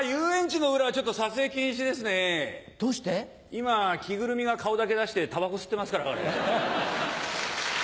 今着ぐるみが顔だけ出してタバコ吸ってますから。